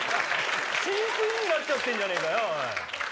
飼育員になっちゃってんじゃねえかよ！